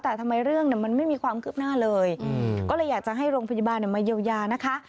แต่ทำไมเรื่องมันไม่มีความคืบหน้าเลยก็เลยอยากจะให้โรงพยาบาลมาเยียวยานะคะ